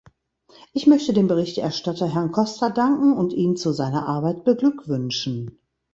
Ich möchte dem Berichterstatter Herrn Costa danken und ihn zu seiner Arbeit beglückwünschen.